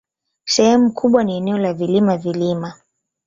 Sehemu kubwa ni eneo la vilima-vilima.